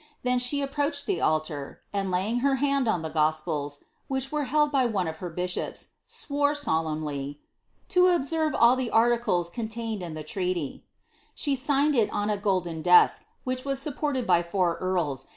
Then fihe approached the altar, and, la\ hand on the gospels, wtiinh were held by one of her bjsli olemnly " to obaeri e all the articles contained in the treot} »1 it on a golden desk, whieb was supported by four earle